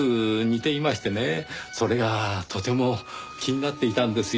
それがとても気になっていたんですよ。